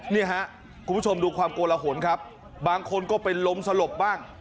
นี่ฮะคุณผู้ชมดูความโกละหนครับบางคนก็เป็นลมสลบบ้าง